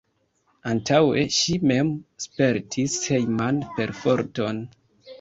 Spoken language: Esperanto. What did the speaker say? Antaŭe ŝi mem spertis hejman perforton.